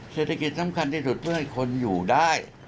เศรษฐกิจสำคัญที่สุดเพื่อให้คนอยู่ได้